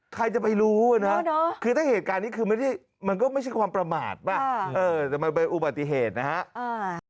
ใครจะไปรู้นะคือถ้าเหตุการณ์นี้คือไม่ได้มันก็ไม่ใช่ความประมาทป่ะแต่มันเป็นอุบัติเหตุนะฮะ